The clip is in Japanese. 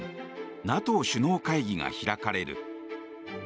ＮＡＴＯ首脳会議が開かれる。